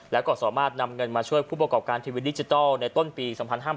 และก็สามารถนำเงินมาช่วยผู้ประกอบการทีวีดิจิทัลในต้นปี๒๕๕๙